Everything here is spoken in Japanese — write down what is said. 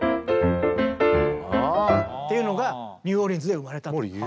っていうのがニューオーリンズで生まれたと。